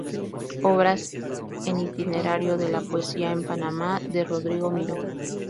Obras en Itinerario de la poesía en Panamá, de Rodrigo Miró